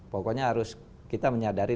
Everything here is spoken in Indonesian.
pokoknya harus kita menyadari